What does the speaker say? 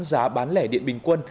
giá bán lẻ điện bình quân